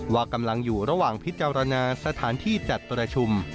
ว่ากำลังอยู่ระหว่างพิจารณาสถานที่จัดประชุม